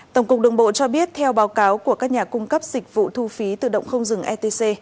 tổng cục đường bộ cho biết theo báo cáo của các nhà cung cấp dịch vụ thu phí tự động không dừng etc